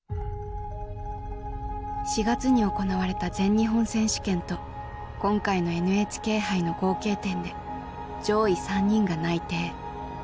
４月に行われた全日本選手権と今回のＮＨＫ杯の合計点で上位３人が内定。